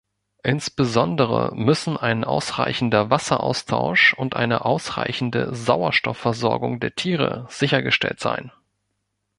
Insbesondere müssen ein ausreichender Wasseraustausch und eine ausreichende Sauerstoffversorgung der Tiere sichergestellt sein.